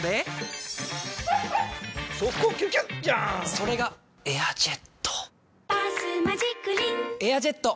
それが「エアジェット」「バスマジックリン」「エアジェット」！